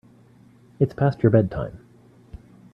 It's past your bedtime.